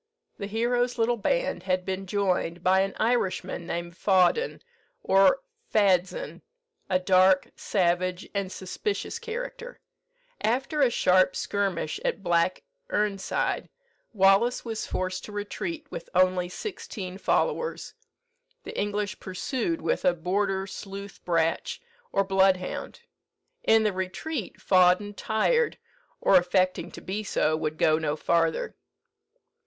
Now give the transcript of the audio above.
The hero's little band had been joined by an Irishman named Fawdon, or Fadzean, a dark, savage, and suspicious character. After a sharp skirmish at Black Erneside, Wallace was forced to retreat with only sixteen followers. The English pursued with a border sleuth bratch, or bloodhound. In the retreat, Fawdon, tired, or affecting to be so, would go no farther.